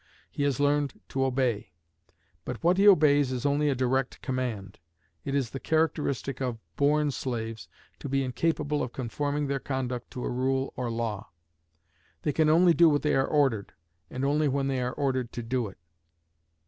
He has learned to obey. But what he obeys is only a direct command. It is the characteristic of born slaves to be incapable of conforming their conduct to a rule or law. They can only do what they are ordered, and only when they are ordered to do it.